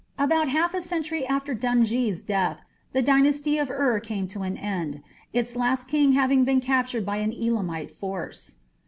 About half a century after Dungi's death the Dynasty of Ur came to an end, its last king having been captured by an Elamite force.